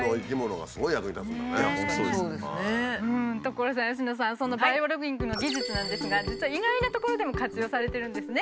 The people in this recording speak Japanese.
所さん佳乃さんそのバイオロギングの技術なんですが実は意外なところでも活用されてるんですね。